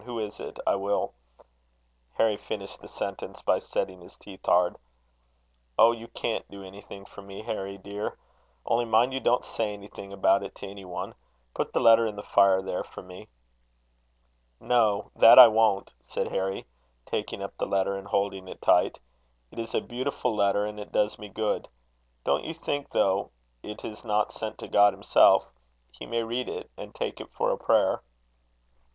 Who is it? I will " Harry finished the sentence by setting his teeth hard. "Oh! you can't do anything for me, Harry, dear. Only mind you don't say anything about it to any one. Put the letter in the fire there for me." "No that I won't," said Harry, taking up the letter, and holding it tight. "It is a beautiful letter, and it does me good. Don't you think, though it is not sent to God himself, he may read it, and take it for a prayer?"